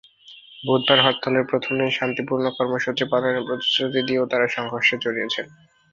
বুধবার হরতালের প্রথম দিনে শান্তিপূর্ণ কর্মসূচি পালনের প্রতিশ্রুতি দিয়েও তাঁরা সংঘর্ষে জড়িয়েছেন।